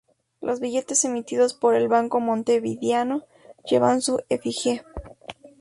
Los billetes emitidos por el Banco Montevideano llevan su efigie.